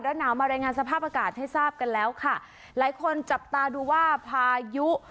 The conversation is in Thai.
แล้วหนาวมารายงานสภาพอากาศให้ทราบกันแล้วค่ะหลายคนจับตาดูว่าพายุ